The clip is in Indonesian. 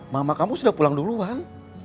mama kamu sudah pulang duluan